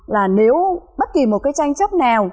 là nếu bất kỳ một cái tranh chấp nào